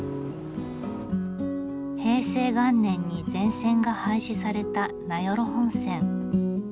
平成元年に全線が廃止された名寄本線。